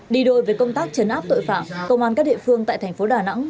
đi đôi với công tác chấn áp tội phạm công an các địa phương tại thành phố đà nẵng